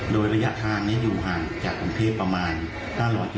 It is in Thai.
โดยระยะทางในยูหันจากกรุงเทพฯประมาณ๕๐๐กิโลเมตร